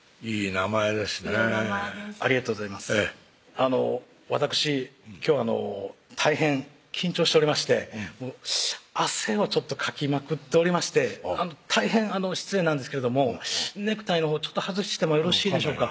あのわたくし今日大変緊張しておりまして汗をちょっとかきまくっておりまして大変失礼なんですけれどもネクタイのほう外してもよろしいでしょうか